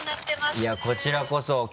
いやこちらこそ。